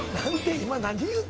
今何言うた？